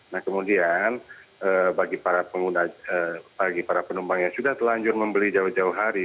nah kemudian bagi para penumpang yang sudah telanjur membeli jauh jauh hari